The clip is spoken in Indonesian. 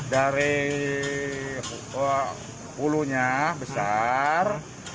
dari pulunya besar